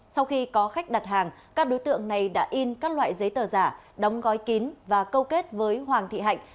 sau khi có khách đặt hàng các đối tượng này đã in các loại giấy tờ giả đóng gói kín và câu kết với hoàng thị hạnh